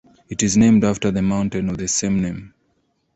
It is named after the mountain of the same name.